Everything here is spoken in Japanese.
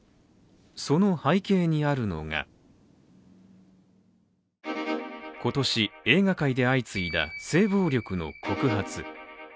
その背景にあるのが今年、映画界で相次いだ性暴力の告発。